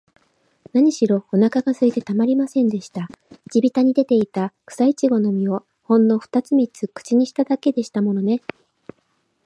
なにしろ、おなかがすいてたまりませんでした。地びたに出ていた、くさいちごの実を、ほんのふたつ三つ口にしただけでしたものね。